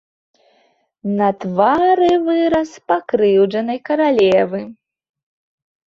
На твары выраз пакрыўджанай каралевы.